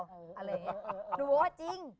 หนูบอกว่าจริง